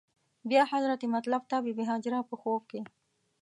بیا حضرت مطلب ته بې بي هاجره په خوب کې.